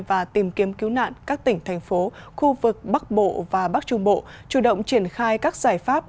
và tìm kiếm cứu nạn các tỉnh thành phố khu vực bắc bộ và bắc trung bộ chủ động triển khai các giải pháp